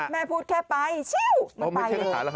แม่พูดแค่ไปมันไปเลย